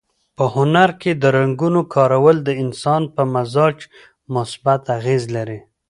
په هنر کې د رنګونو کارول د انسان په مزاج مثبت اغېز لري.